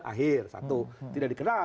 akhir satu tidak dikenal